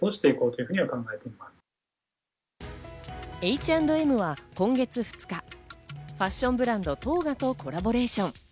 Ｈ＆Ｍは今月２日、ファッションブランドＴＯＧＡとコラボレーション。